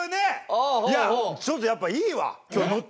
いやちょっとやっぱいいわ。